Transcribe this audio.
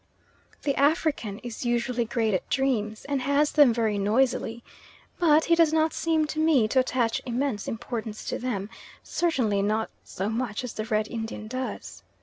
The African is usually great at dreams, and has them very noisily; but he does not seem to me to attach immense importance to them, certainly not so much as the Red Indian does.